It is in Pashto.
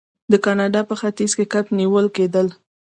د کاناډا په ختیځ کې کب نیول کیدل.